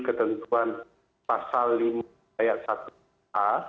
ketentuan pasal lima ayat satu a